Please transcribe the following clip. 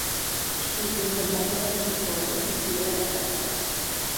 She is the mother of two children, Peter and Jessica.